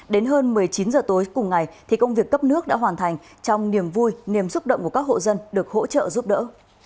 đến hơn một mươi chín h tối cùng ngày công việc cấp nước đã hoàn thành trong niềm vui niềm xúc động của các hộ dân được hỗ trợ giúp đỡ